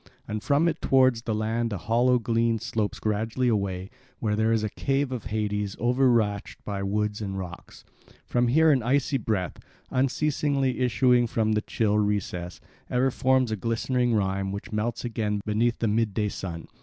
And from it towards the land a hollow glen slopes gradually away, where there is a cave of Hades overarched by wood and rocks. From here an icy breath, unceasingly issuing from the chill recess, ever forms a glistening rime which melts again beneath the midday sun.